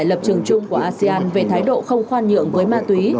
lập trường chung của asean về thái độ không khoan nhượng với ma túy